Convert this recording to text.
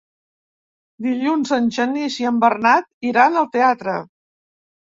Dilluns en Genís i en Bernat iran al teatre.